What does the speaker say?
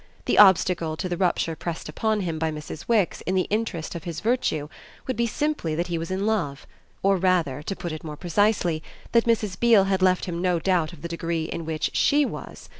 The obstacle to the rupture pressed upon him by Mrs. Wix in the interest of his virtue would be simply that he was in love, or rather, to put it more precisely, that Mrs. Beale had left him no doubt of the degree in which SHE was.